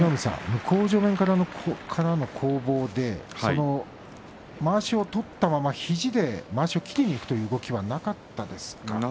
向正面側からの攻防でまわしを取ったまま肘でまわしを切りにいく動きがなかったですか。